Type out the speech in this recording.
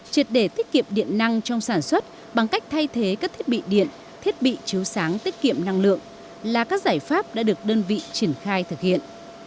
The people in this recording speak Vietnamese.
triệt để tiết kiệm điện năng trong sản xuất bằng cách thay thế các thiết bị điện thiết bị chiếu sáng tích kiệm năng lượng là các giải pháp đã được đơn vị triển khai thực hiện